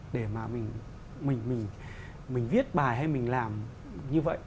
để mà mình viết bài hay mình làm như vậy